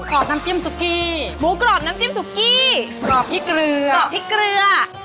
รอบน้ำจิ้มซุกี้หมูกรอบน้ำจิ้มซุกี้กรอบพริกเกลือกรอบพริกเกลือ